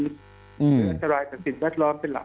หรือสัตรายต่อศิลป์ระล้วนเป็นหลัก